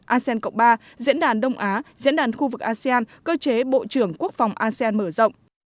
asean cộng ba diễn đàn đông á diễn đàn khu vực asean cơ chế bộ trưởng quốc phòng asean mở rộng